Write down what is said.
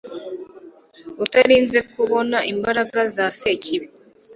utarinze kubona imbaraga za sekibi